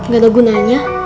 gak ada gunanya